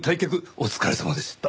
お疲れさまでした。